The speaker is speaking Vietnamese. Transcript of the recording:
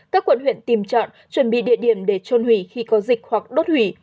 các quận huyện tìm chọn chuẩn bị địa điểm để trôn hủy khi có dịch hoặc đốt hủy